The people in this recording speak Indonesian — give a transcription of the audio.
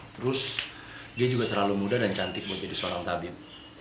terus dia juga terlalu muda dan cantik buat jadi seorang tabib